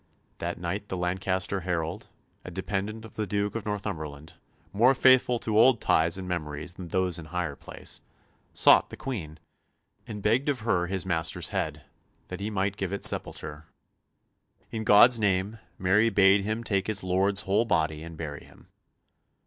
That night the Lancaster Herald, a dependant of the Duke of Northumberland, more faithful to old ties and memories than those in higher place, sought the Queen, and begged of her his master's head, that he might give it sepulture. In God's name, Mary bade him take his lord's whole body and bury him.